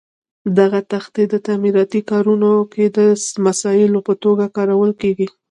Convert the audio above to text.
دغه تختې په تعمیراتي کارونو کې د مسالو په توګه کارول کېږي.